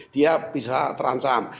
dia bisa terancam